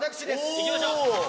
いきましょう！